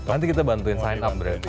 nanti kita bantuin sign up berarti